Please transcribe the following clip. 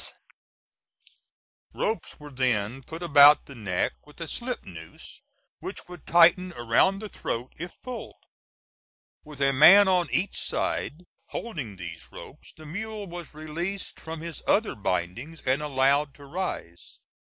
S." Ropes were then put about the neck, with a slipnoose which would tighten around the throat if pulled. With a man on each side holding these ropes, the mule was released from his other bindings and allowed to rise.